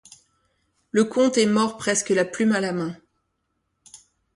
Lecomte est mort presque la plume à la main.